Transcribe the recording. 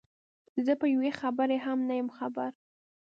زه په یوې خبرې هم نه یم خبر.